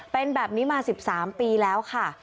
เป็นแบบนี้มา๑๓ปีแล้วค่ะ